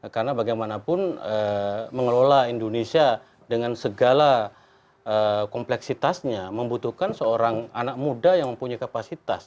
karena bagaimanapun mengelola indonesia dengan segala kompleksitasnya membutuhkan seorang anak muda yang mempunyai kapasitas